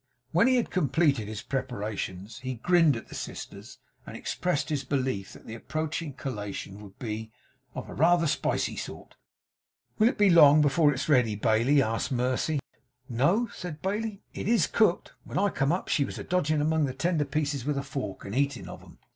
When he had completed his preparations, he grinned at the sisters, and expressed his belief that the approaching collation would be of 'rather a spicy sort.' 'Will it be long, before it's ready, Bailey?' asked Mercy. 'No,' said Bailey, 'it IS cooked. When I come up, she was dodging among the tender pieces with a fork, and eating of 'em.